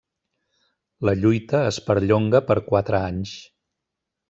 La lluita es perllonga per quatre anys.